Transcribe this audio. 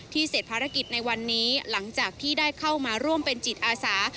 เสร็จภารกิจในวันนี้หลังจากที่ได้เข้ามาร่วมเป็นจิตอาสา